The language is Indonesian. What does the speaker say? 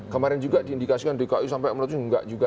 kemarin juga diindikasikan dari ku sampai umno itu tidak juga